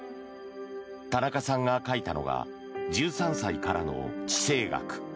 田中さんが書いたのが「１３歳からの地政学」。